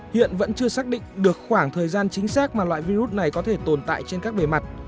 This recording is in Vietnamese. hiện vẫn chưa xác định được khoảng thời gian chính xác mà loại virus này có thể tồn tại trên các bề mặt